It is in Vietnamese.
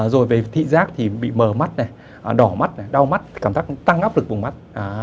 rồi về thị giác thì bị mờ mắt đỏ mắt đau mắt cảm giác tăng áp lực vùng mắt